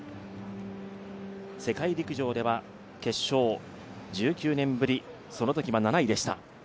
世界陸上では決勝、１９年ぶり、そのときは７位でした。